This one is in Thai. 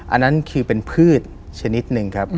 อันนั้นคือเป็นพืชชนิดหนึ่งครับ